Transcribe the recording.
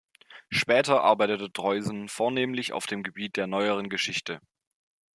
Später arbeitete Droysen vornehmlich auf dem Gebiet der neueren Geschichte.